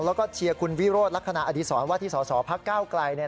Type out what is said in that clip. แล้วก็เชียร์คุณวิโรธลักษณะอดีศรว่าที่สสพักก้าวไกล